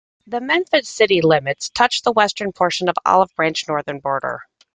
The Memphis city limits touch the western portion of Olive Branch's northern border.